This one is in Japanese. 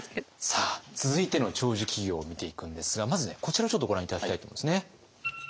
さあ続いての長寿企業を見ていくんですがまずこちらをちょっとご覧頂きたいと思うんですね。